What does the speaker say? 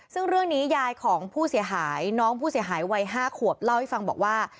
ซึ่งเรื่องนี้ยายของผู้เสียหายน้องผู้เสียหายวัย๕ขวบเล่าให้ฟังบอกว่า